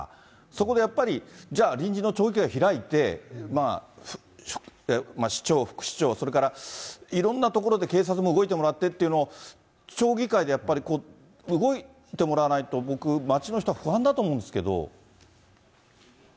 そこでやっぱり、じゃあ、臨時の町議会を開いて、市長、副市長、それからいろんなところで警察も動いてもらってっていうのを、町議会でやっぱり動いてもらわないと、僕、町の人は不安だと思うんですけど。